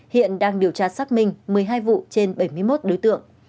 hiện đang điều tra xác minh một mươi hai vụ trên bảy mươi một đối tượng